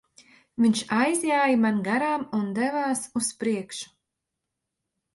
Viņš aizjāja man garām un devās uz priekšu.